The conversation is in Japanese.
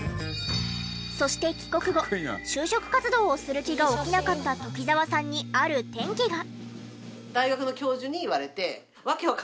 そして帰国後就職活動をする気が起きなかった鴇澤さんにある転機が。